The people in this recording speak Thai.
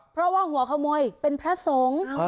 เพราะว่าหัวขโมยเป็นพระสงฆ์